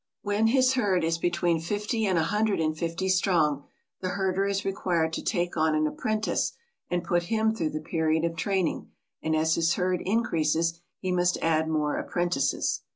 When his herd is between fifty and a hundred and fifty strong the herder is required to take on an apprentice and put him through the period of training, and as his herd increases he must add more apprentices.